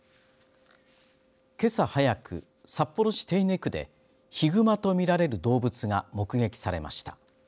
けさ早く、札幌市手稲区でヒグマと見られる動物が目撃されました。